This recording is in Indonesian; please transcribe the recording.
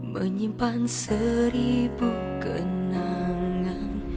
menyimpan seribu kenangan